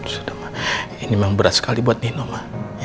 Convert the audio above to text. sudah ma ini memang berat sekali buat nino ma